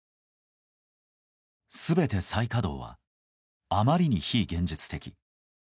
全て再稼働はあまりに非現実的。